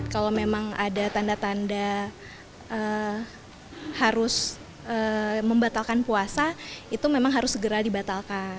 kalau memang ada tanda tanda harus membatalkan puasa itu memang harus segera dibatalkan